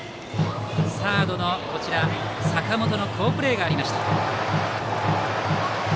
サードの坂本の好プレーがありました。